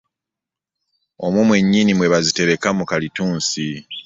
Omwo mwenyinni mwebazitereka mu kalitunsi .